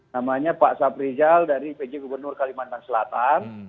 namanya pak saprijal dari pj gubernur kalimantan selatan